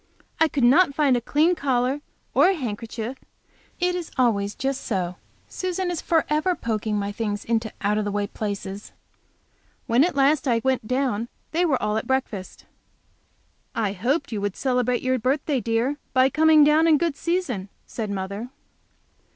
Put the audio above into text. I could not find a clean collar, or a handkerchief. It is always just so. Susan is forever poking my things into out of the way places! When at last I went down, they were all at breakfast. "I hoped you would celebrate your birthday, dear, by coming down in good season," said mother.